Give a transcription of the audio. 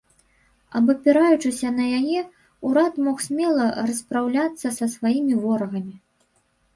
Абапіраючыся на яе, урад мог смела распраўляцца са сваімі ворагамі.